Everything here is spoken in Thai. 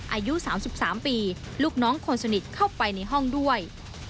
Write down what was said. อายุ๓๓ปีลูกน้องคนสนิทเข้าไปในห้องด้วย